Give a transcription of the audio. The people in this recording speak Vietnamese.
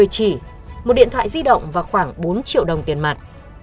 chỉ một điện thoại di động và khoảng bốn triệu đồng tiền mặt